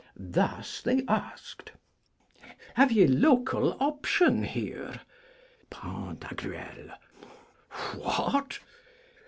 Thus they asked: Have ye Local Option here? Pan.: What?